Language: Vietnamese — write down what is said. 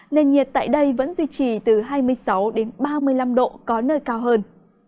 nền nhiệt tại đây vẫn duy trì từ hai mươi sáu đến ba mươi năm độ có nơi cao hơn